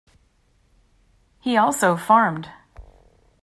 He also farmed.